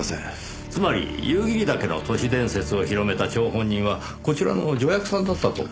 つまり夕霧岳の都市伝説を広めた張本人はこちらの助役さんだったと？